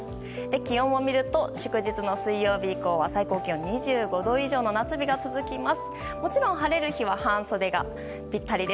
気温を見ると祝日の水曜日以降は最高気温２５度以上の夏日が続きます。